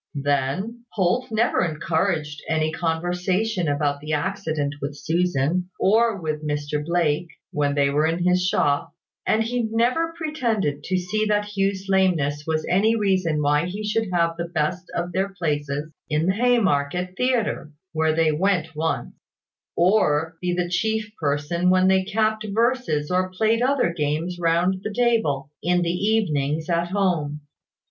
Then, Holt never encouraged any conversation about the accident with Susan, or with Mr Blake, when they were in the shop; and he never pretended to see that Hugh's lameness was any reason why he should have the best of their places in the Haymarket Theatre (where they went once), or be the chief person when they capped verses or played other games round the table, in the evenings at home.